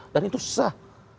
dan itu susah